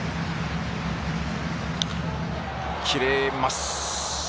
切れます。